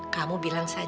kamu bilang saja